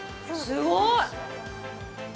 すごい！